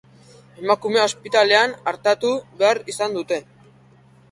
Emakumea ospitalean artatu behar izan dute.